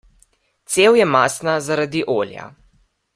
Cev je mastna zaradi olja.